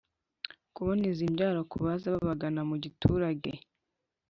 kuboneza imbyaro ku baza babagana mu giturage.